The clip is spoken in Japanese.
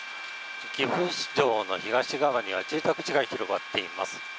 岐阜市町の東側には住宅地が広がっています。